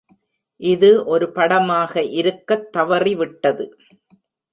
இது ஒரு படமாக இருக்கத் தவறிவிட்டது.